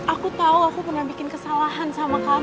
aku tahu aku pernah bikin kesalahan sama kamu